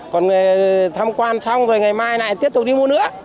còn về tham quan xong rồi ngày mai lại tiếp tục đi mua nữa